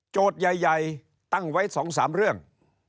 โจทย์ใหญ่ตั้งไว้๒๓เรื่อง